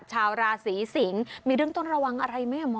ชาวราศรีสิงห์